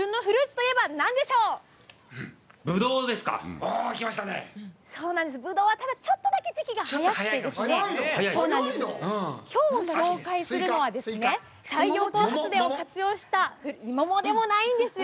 そうなんです、ブドウはただ、ちょっとだけ時期が早くてですね、きょうご紹介するのは太陽光発電を活用した、桃でもないんですよ。